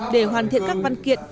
để hoàn thiện các văn kiện